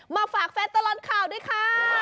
ฝากแฟนตลอดข่าวด้วยค่ะ